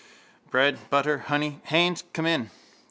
Bread, butter, honey. Haines, come in.